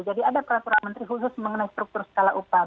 jadi ada peraturan menteri khusus mengenai struktur dan skala upah